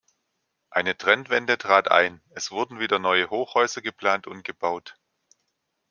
Eine Trendwende trat ein: Es wurden wieder neue Hochhäuser geplant und gebaut.